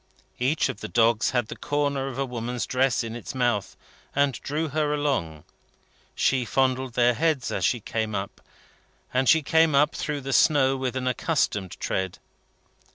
Each of the dogs had the corner of a woman's dress in its mouth, and drew her along. She fondled their heads as she came up, and she came up through the snow with an accustomed tread.